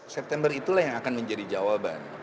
september itulah yang akan menjadi jawaban